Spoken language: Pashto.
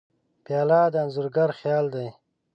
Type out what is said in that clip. پیاله د انځورګر خیال دی.